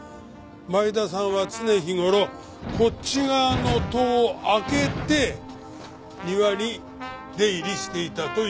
前田さんは常日頃こっち側の戸を開けて庭に出入りしていたという事だ。